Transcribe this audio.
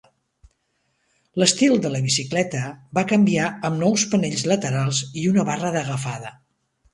L"estil de la bicicleta va canviar amb nous panells laterals i una barra d'agafada.